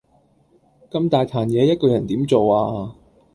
咁大壇嘢一個人點做啊